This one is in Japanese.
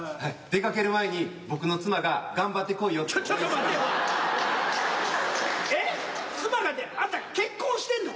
出かける前に僕の妻が「頑張ってこいよ」って。